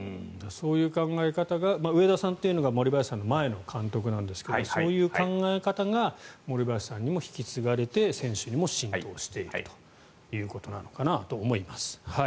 そういう考え方が上田さんが森林さんの前の監督なんですがそういう考え方が森林さんにも引き継がれて選手にも浸透しているということなのかと思います。